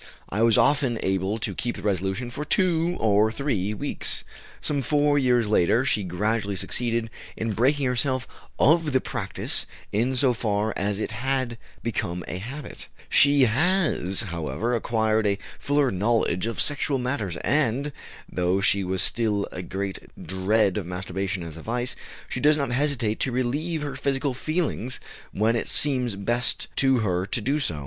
I was often able to keep the resolution for two or three weeks." Some four years later she gradually succeeded in breaking herself of the practice in so far as it had become a habit; she has, however, acquired a fuller knowledge of sexual matters, and, though she has still a great dread of masturbation as a vice, she does not hesitate to relieve her physical feelings when it seems best to her to do so.